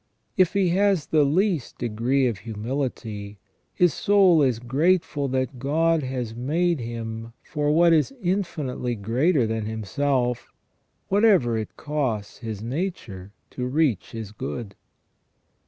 If he has the least degree of humility, his soul is grateful that God has made him for what is infinitely greater than himself, whatever it costs his nature to reach his good.